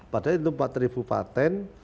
padahal empat ribu patent